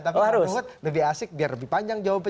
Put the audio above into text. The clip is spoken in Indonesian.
tapi bang ruhut lebih asik biar lebih panjang juga